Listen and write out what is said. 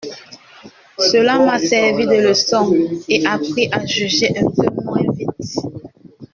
Cela m’a servi de leçon et appris à juger un peu moins vite.